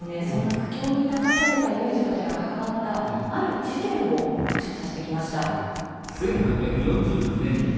そんな苦境に立たされた遊女たちが関わったある事件を調査してきました。